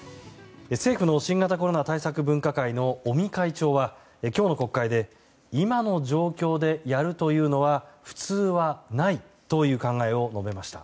政府の新型コロナ対策分科会の尾身会長は今日の国会で今の状況でやるというのは普通はないという考えを述べました。